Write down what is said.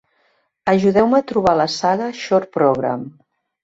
Ajudeu-me a trobar la saga Short Program.